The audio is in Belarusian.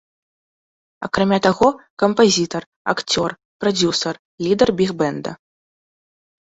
Акрамя таго, кампазітар, акцёр, прадзюсар, лідар біг-бэнда.